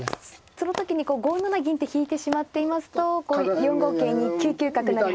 その時に５七銀って引いてしまっていますと４五桂に９九角成８八。